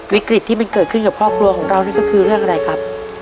วิกฤตที่มันเกิดขึ้นกับครอบครัวของเรานี่ก็คือเรื่องอะไรครับ